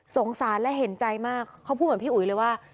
สารและเห็นใจมากเขาพูดเหมือนพี่อุ๋ยเลยว่า